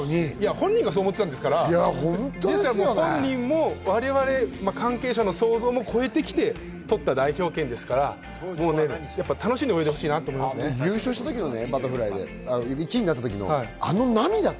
本人もそう思っていたわけですから、我々関係者の想像も越えて取った代表権ですから、楽しんで泳いでほしいなと思いまバタフライで１位になったときの涙。